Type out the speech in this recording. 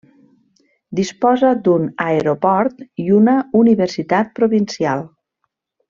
Disposa d'un aeroport i una universitat provincial.